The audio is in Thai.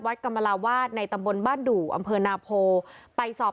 กรรมลาวาสในตำบลบ้านดู่อำเภอนาโพไปสอบ